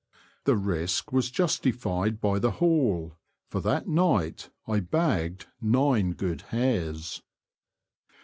The risk was justi fied by the haul, for that night I bagged nine good hares.